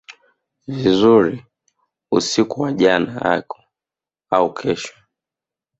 vizuri usiku wa jana yako au kesho